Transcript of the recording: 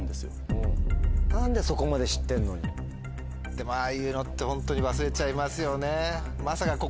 でもああいうのってホントに忘れちゃいますよね。